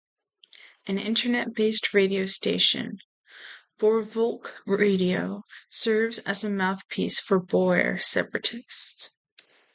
An internet-based radio station, "Boerevolk Radio", serves as a mouthpiece for Boer separatists.